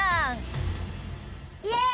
イェーイ！